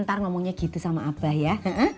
ntar ngomongnya gitu sama abah ya